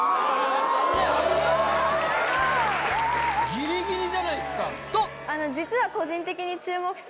ギリギリじゃないっすか。と実は。